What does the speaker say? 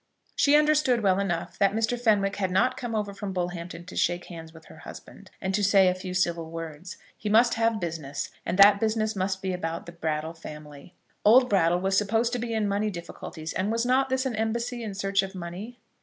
She understood well enough that Mr. Fenwick had not come over from Bullhampton to shake hands with her husband, and to say a few civil words. He must have business, and that business must be about the Brattle family. Old Brattle was supposed to be in money difficulties, and was not this an embassy in search of money?